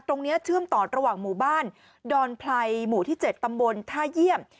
ตรงเนี้ยเชื่อมต่อระหว่างหมู่บ้านดรพลย๗ตำบนท่าเยี่ยม